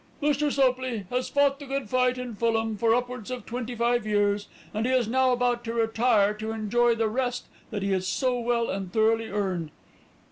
"Mr. Sopley has fought the good fight in Fulham for upwards of twenty five years, and he is now about to retire to enjoy the rest that he has so well and thoroughly earned.